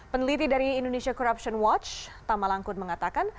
peneliti dari indonesia corruption watch tama langkun mengatakan